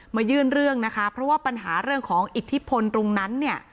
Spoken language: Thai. ยื่นเรื่องนะคะเพราะว่าปัญหาเรื่องของอิทธิพลตรงนั้นเนี่ย